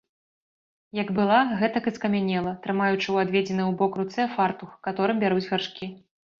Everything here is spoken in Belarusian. Як была, гэтак і скамянела, трымаючы ў адведзенай убок руцэ фартух, каторым бяруць гаршкі.